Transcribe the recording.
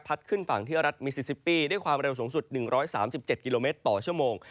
ขึ้นฝั่งที่รัฐมิซิซิปี้ด้วยความเร็วสูงสุด๑๓๗กิโลเมตรต่อชั่วโมง